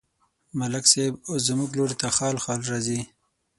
ملک صاحب اوس زموږ لوري ته خال خال راځي.